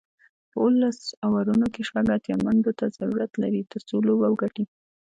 په اوولس اورونو کې شپږ اتیا منډو ته ضرورت لري، ترڅو لوبه وګټي